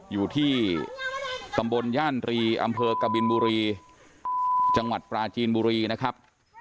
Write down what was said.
อยู่ที่ตำบลย่านรีอำเภอกบินบุรีจังหวัดปราจีนบุรีนะครับ